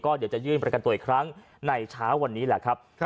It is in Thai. เดี๋ยวจะยื่นประกันตัวอีกครั้งในเช้าวันนี้แหละครับ